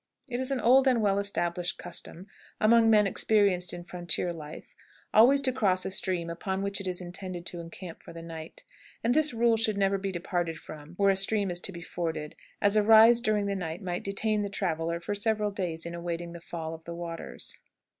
It is an old and well established custom among men experienced in frontier life always to cross a stream upon which it is intended to encamp for the night, and this rule should never be departed from where a stream is to be forded, as a rise during the night might detain the traveler for several days in awaiting the fall of the waters.